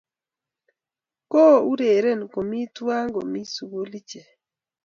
ko ureren komi tuan komi sugul ichek